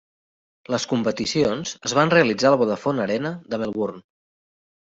Les competicions es van realitzar al Vodafone Arena de Melbourne.